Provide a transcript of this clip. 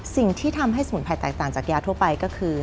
สิ่งที่ทำให้สมุนไพรแตกต่างจากยาทั่วไปก็คือ